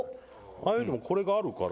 ああいうのも、これがあるから。